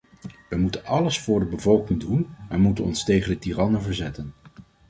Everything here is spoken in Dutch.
Wij moeten alles voor de bevolking doen, maar moeten ons tegen de tirannen verzetten.